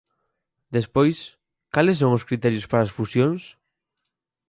Despois, ¿cales son os criterios para as fusións?